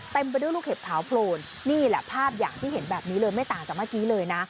เต็มไปด้วยลูกเห็ดขาวโผลนนี่แหละภาพอยากที่เห็นแบบนี้เลย